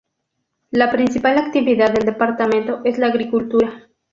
La principal actividad del departamento es la agricultura.